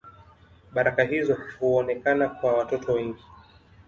Baraka hizo huonekana kwa watoto wengi